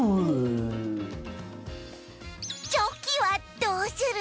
チョキはどうする？